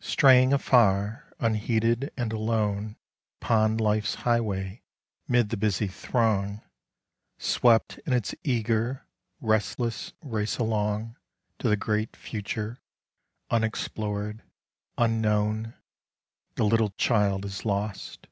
Straying afar, unheeded and alone Upon life's highway 'mid the busy throng, Swept in its eager, restless race along To the great future, unexplored, unknown, The little child is lost.